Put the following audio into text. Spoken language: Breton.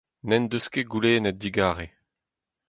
N'en deus ket goulennet digarez.